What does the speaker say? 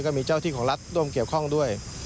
ก็มีเจ้าที่ของรัฐร่วมเกี่ยวข้องด้วย